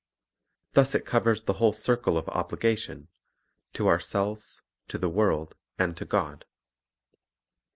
Thus it covers the whole circle of obligation, — to ourselves, to the world, and to God.